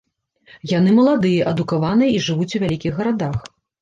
Яны маладыя, адукаваныя і жывуць у вялікіх гарадах.